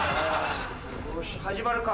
よし始まるか。